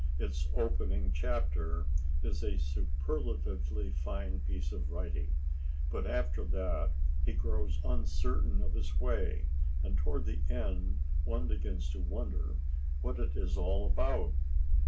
Its opening chapter is a superlatively fine piece of writing, but after that he grows uncertain of his way, and toward the end one begins to wonder what it is all about.